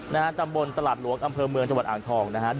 นะฮะตำบลตลาดหลวงอำเภอเมืองจังหวัดอ่างทองนะฮะ